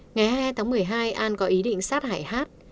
ngày hai mươi hai tháng một mươi hai an có ý định sát hại hát